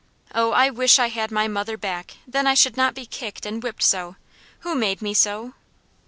Oh, I wish I had my mother back; then I should not be kicked and whipped so. Who made me so?"